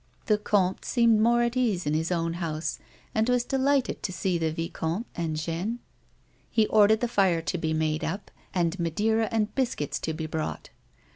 The comte seemed more at his ease in his own house, and A WOMAN'S LIFE. 137 was delighted to see the vicomte and Jeanne. He ordered the fire to be made up, and Madeira and biscuits to be brought.